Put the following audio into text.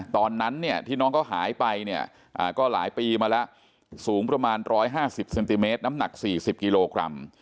ตอนนั้นเนี่ยที่น้องเขาหายไปเนี่ยก็หลายปีมาแล้วสูงประมาณ๑๕๐เซนติเมตรน้ำหนัก๔๐กิโลกรัม